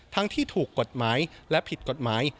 ที่ถูกกฎหมายและผิดกฎหมาย